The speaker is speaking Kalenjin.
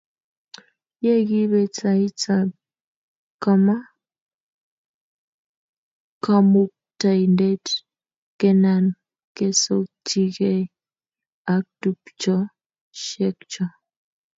Ye kibe taitab Kamuktaindet kenaan kesochikei ak tupchoshechok